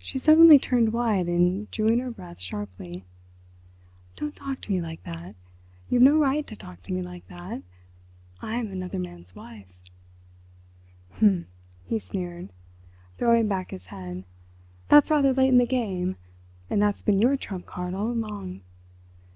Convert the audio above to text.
She suddenly turned white and drew in her breath sharply. "Don't talk to me like that. You have no right to talk to me like that. I am another man's wife." "Hum," he sneered, throwing back his head, "that's rather late in the game, and that's been your trump card all along.